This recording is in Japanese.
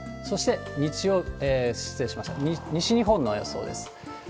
そして西日本の予想です。